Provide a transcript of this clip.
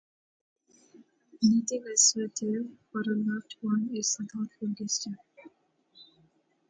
Knitting a sweater for a loved one is a thoughtful gesture.